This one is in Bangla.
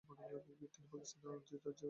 তিনি পাকিস্তান অধিরাজ্যে দায়িত্বপালন করেন।